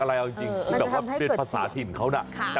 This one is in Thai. มันจะทำให้เกิดเสียง